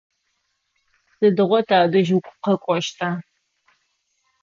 Сыдигъо тадэжь укъэкӏощта?